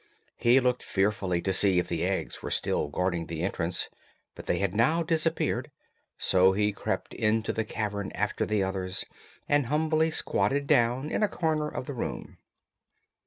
He looked fearfully to see if the eggs were still guarding the entrance, but they had now disappeared; so he crept into the cavern after the others and humbly squatted down in a corner of the room.